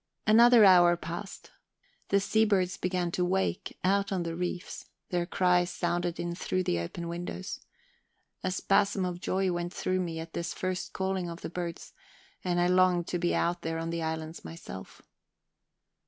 Another hour passed. The seabirds began to wake out on the reefs; their cries sounded in through the open windows. A spasm of joy went through me at this first calling of the birds, and I longed to be out there on the islands myself...